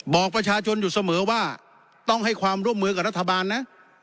บอกประชาชนอยู่เสมอว่าต้องให้ความร่วมมือกับรัฐบาลนะ